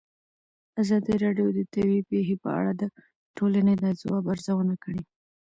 ازادي راډیو د طبیعي پېښې په اړه د ټولنې د ځواب ارزونه کړې.